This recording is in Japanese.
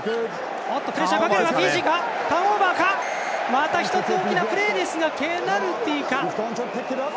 また一つ大きなプレーですがペナルティか。